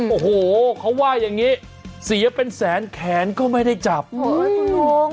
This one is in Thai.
โอ้โหเขาว่าอย่างงี้เสียเป็นแสนแขนก็ไม่ได้จับโอ้โหคุณลุง